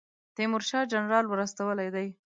تیمورشاه جنرال ور استولی دی.